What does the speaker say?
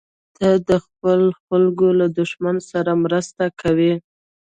ته د خپلو خلکو له دښمن سره مرسته کوې.